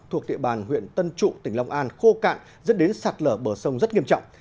thuộc địa bàn huyện tân trụ tỉnh long an khô cạn dẫn đến sạt lở bờ sông rất nghiêm trọng